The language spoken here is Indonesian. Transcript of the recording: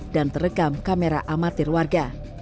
dan terekam kamera amatir warga